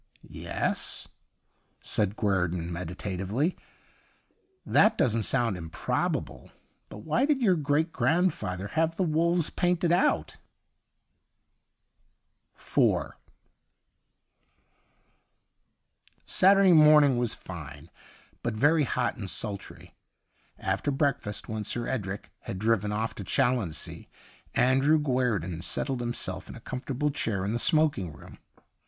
' Yes/ said Guei'don meditatively, ' that doesn't sound improbable. But why did your great grandfather have the wolves painted out .'"' IV Saturday morning Avas fine, but very hot and sultry. After break fast, when Sir Edric had driven off to Challonsea, Andrew Guerdon settled himself in a comfortable chair in the smoking room.